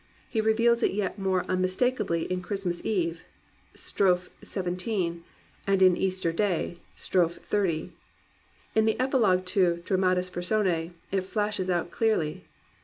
He reveals it yet more unmistakably in Christmas Eve^ (strophe XVII) and in Easier Day, (strophe XXX.) In the Epilogue to Dramatis Persons it flashes out clearly.